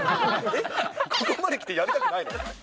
ここまで来てやりたくないの？